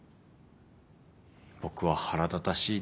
僕は腹立たしいです。